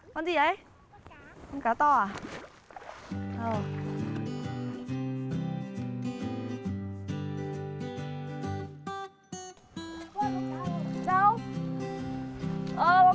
cá lươn cá lươn lươn